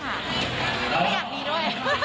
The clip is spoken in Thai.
ก็ไม่อยากมีด้วย